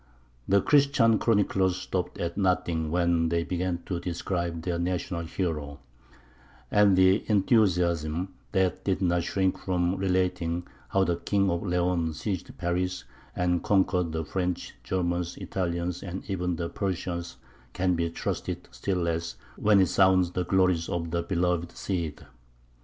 The Christian chroniclers stopped at nothing when they began to describe their national hero; and the enthusiasm that did not shrink from relating how the King of Leon seized Paris, and conquered the French, Germans, Italians, and even the Persians, can be trusted still less when it sounds the glories of the beloved Cid.